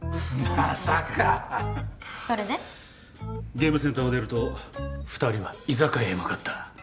ゲームセンターを出ると２人は居酒屋へ向かった。